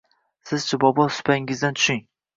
Sizchi bobo supangizdan tushing